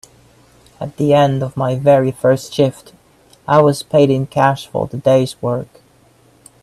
At the end of my very first shift, I was paid in cash for the day’s work.